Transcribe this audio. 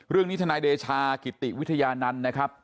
เรื่องนี้ทนายเดชากิติวิทยานันต์นะครับ